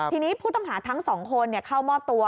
ทีนี้ผู้ต้องหาทั้งสองคนเข้ามอบตัว